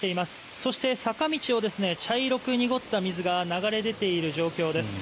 そして、坂道を茶色く濁った水が流れ出ている状況です。